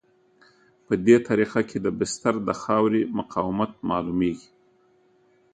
په دې طریقه کې د بستر د خاورې مقاومت معلومیږي